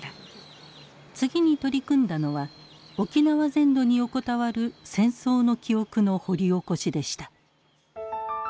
次に取り組んだのは沖縄全土に横たわる戦争の記憶の掘り起こしでした。